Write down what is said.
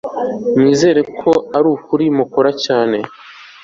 wizera ko ari ukuri mukora cyane